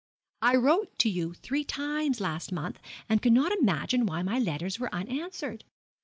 'I wrote to you three times last month, and could not imagine why my letters were unanswered.